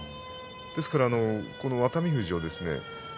ですから熱海富士はですね